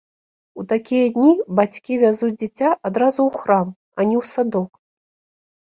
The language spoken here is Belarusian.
У такія дні бацькі вязуць дзіця адразу ў храм, а не ў садок.